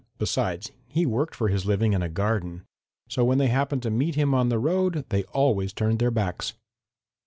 Besides, he worked for his living in a garden. So when they happened to meet him on the road they always turned their backs.